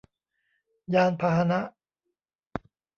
ยานพาหนะ